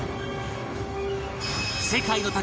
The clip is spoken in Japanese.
世界の宝